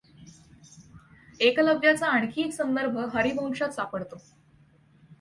एकलव्याचा आणखी एक संदर्भ हरिवंशात सापडतो.